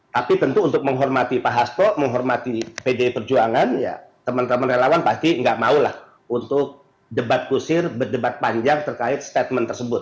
tapi tentu untuk menghormati pak hasto menghormati pdi perjuangan ya teman teman relawan pasti nggak maulah untuk debat kusir berdebat panjang terkait statement tersebut